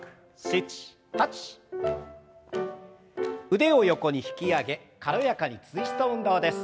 腕を横に引き上げ軽やかにツイスト運動です。